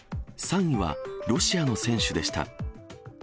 ３位はロシアの選手でした。